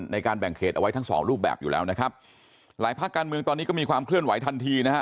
ในการแบ่งเขตเอาไว้ทั้งสองรูปแบบอยู่แล้วนะครับหลายภาคการเมืองตอนนี้ก็มีความเคลื่อนไหวทันทีนะฮะ